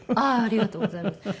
ありがとうございます。